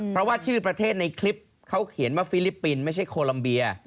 เพราะว่าชื่อประเทศในคลิปเขาเขียนว่าฟิลิปปินส์ไม่ใช่โคลัมเบีย